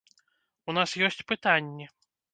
У нас ёсць пытанні.